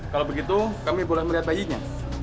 kalau begitu kami boleh melihat bayinya